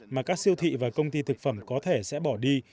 mà các siêu thị và công ty thực phẩm có thể sẽ bỏ đi